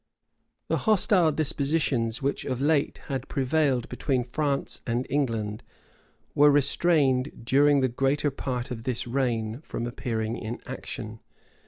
* Buchanan, lib. x. The hostile dispositions which of late had prevailed between France and England, were restrained, during the greater part of this reign, from appearing in action.